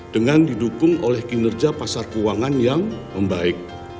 dengan didukung oleh kinerja pasar keuangan yang membaik